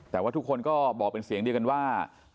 แต่ว่าทุกคนก็บอกเป็นเสียงเดียวกันว่า